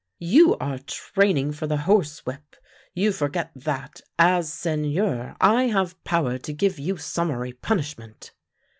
" You are training for the horsewhip. You forget that, as Seigneur, I have power to give you summary punishment."